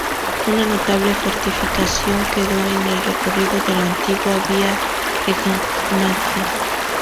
Una notable fortificación quedó en el recorrido de la antigua Vía Egnatia.